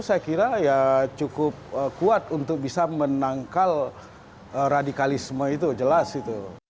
saya kira ya cukup kuat untuk bisa menangkal radikalisme itu jelas itu